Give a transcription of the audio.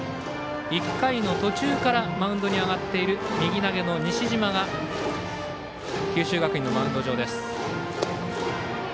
１回の途中からマウンドに上がっている右投げの西嶋が九州学院のマウンド上です。